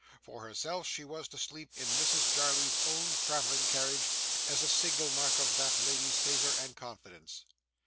For herself, she was to sleep in Mrs Jarley's own travelling carriage, as a signal mark of that lady's favour and confidence.